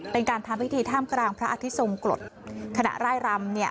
เป็นการทำพิธีท่ามกลางพระอธิสงฆ์กรดขณะไร้รำเนี้ย